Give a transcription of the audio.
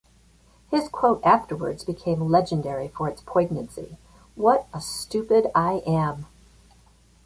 His quote afterwards became legendary for its poignancy: What a stupid I am!